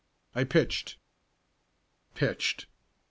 "I pitched." "Pitched.